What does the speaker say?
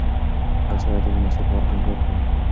دا سړی تل د مسواک په وهلو ټینګار کوي.